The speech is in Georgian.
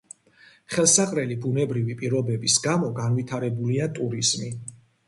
ხელსაყრელი ბუნებრივი პირობების გამო განვითარებულია ტურიზმი.